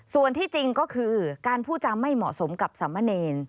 ส่วนที่จริงก็คือการพูดจำไม่เหมาะสมกับสามเณร